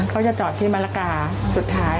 เขาจะจอดที่มะละกาสุดท้าย